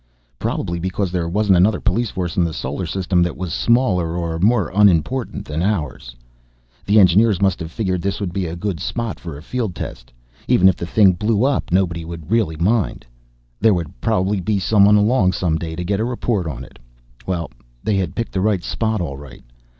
Probably because there wasn't another police force in the solar system that was smaller or more unimportant than ours. The engineers must have figured this would be a good spot for a field test. Even if the thing blew up, nobody would really mind. There would probably be someone along some day to get a report on it. Well, they had picked the right spot all right.